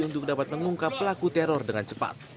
untuk dapat mengungkap pelaku teror dengan cepat